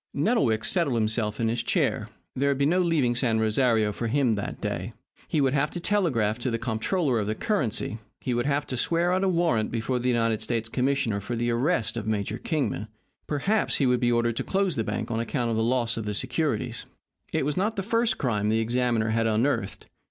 Nettlewick settled himself in his chair. There would be no leaving San Rosario for him that day. He would have to telegraph to the Comptroller of the Currency; he would have to swear out a warrant before the United States Commissioner for the arrest of Major Kingman; perhaps he would be ordered to close the bank on account of the loss of the securities. It was not the first crime the examiner had unearthed.